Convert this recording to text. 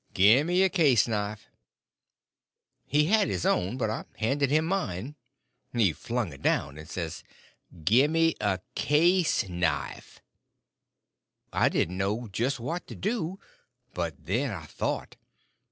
Gimme a case knife." He had his own by him, but I handed him mine. He flung it down, and says: "Gimme a case knife." I didn't know just what to do—but then I thought.